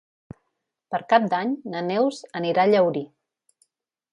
Per Cap d'Any na Neus anirà a Llaurí.